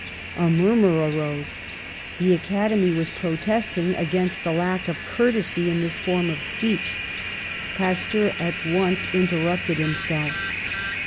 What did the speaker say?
A murmur arose. The Acad emy was protesting against the lack of cour tesy in his form of speech. Pasteur at once interrupted himself.